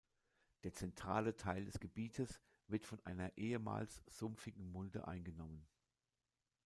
Der zentrale Teil des Gebietes wird von einer ehemals sumpfigen Mulde eingenommen.